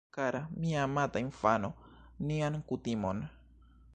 Kara, mia amata infano, nian kutimon...